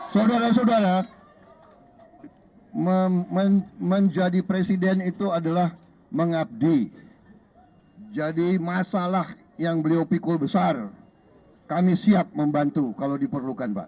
saudara saudara menjadi presiden itu adalah mengabdi jadi masalah yang beliau pikul besar kami siap membantu kalau diperlukan pak